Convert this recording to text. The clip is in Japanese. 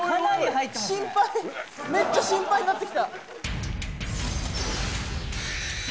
心配めっちゃ心配になってきた